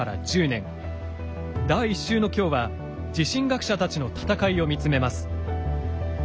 第１週の今日は地震学者たちの闘いを見つめます。